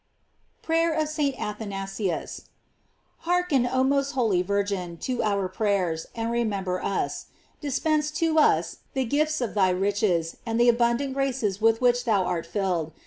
530 GLOEIES OF MABY. PEAYEB OF ST. ATHANASIUS. HEARKEN oh most holy Virgin, to our prayers, and remember us. Dispense to us the gifts of thy riches, and the abundant graces with which thou art filled.